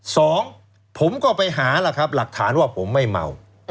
สองผมก็ไปหาล่ะครับหลักฐานว่าผมไม่เมา